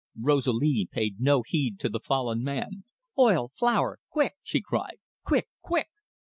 Rosalie paid no heed to the fallen man. "Oil! flour! Quick!" she cried. "Quick! Quick!"